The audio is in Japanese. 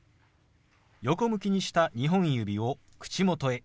横向きにした２本指を口元へ。